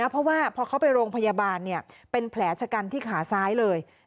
เพราะว่าพอเขาไปโรงพยาบาลเป็นแผลชะกันที่ขาซ้ายเลย